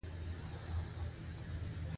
ایا زه باید بخاری چالانه پریږدم؟